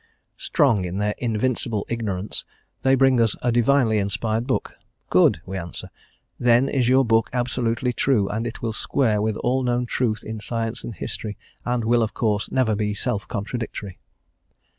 Strong in their "invincible ignorance," they bring us a divinely inspired book; "good," we answer; "then is your book absolutely true, and it will square with all known truth in science and history, and will, of course, never be self contradictory."